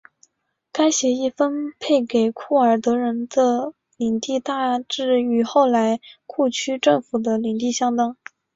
该协议分配给库尔德人的领地大致与后来库区政府的领地相当。